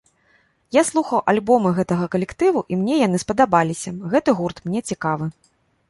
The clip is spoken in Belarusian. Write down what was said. Я слухаў альбомы гэтага калектыву, і мне яны спадабаліся, гэты гурт мне цікавы.